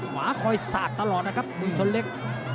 ขวาคอยสาดตลอดนะครับเมืองชนเล็ก